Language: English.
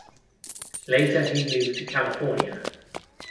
Later he moved to California.